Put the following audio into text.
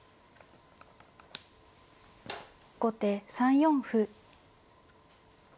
後手３四歩。